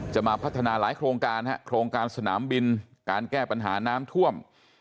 จะมาพัฒนาหลายโครงการโครงการสนามบินการแก้ปัญหาน้ำท่วม